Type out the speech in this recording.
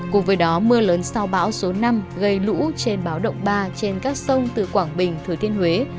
cùng với đó mưa lớn sau bão số năm gây lũ trên báo động ba trên các sông từ quảng bình thừa thiên huế